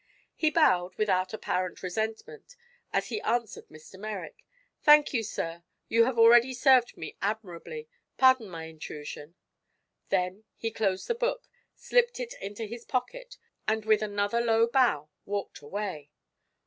He bowed, without apparent resentment, as he answered Mr. Merrick: "Thank you, sir; you have already served me admirably. Pardon my intrusion." Then he closed the book, slipped it into his pocket and with another low bow walked away.